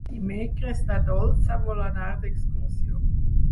Dimecres na Dolça vol anar d'excursió.